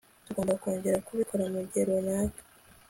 tugomba kongera kubikora mugihe runaka